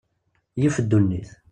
Yif ddunit.